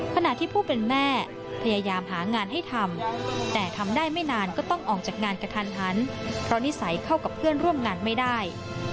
ขณะที่ผู้เป็นแม่พยายามหางานให้ทำแต่ทำได้ไม่นานก็ต้องออกจากงานกระทันหันเพราะนิสัยเข้ากับเพื่อนร่วมงานไม่ได้